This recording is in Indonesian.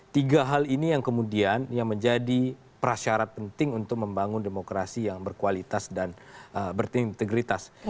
tiga hal ini yang kemudian yang menjadi prasyarat penting untuk membangun demokrasi yang berkualitas dan berintegritas